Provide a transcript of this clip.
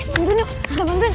bantuin yuk bantuin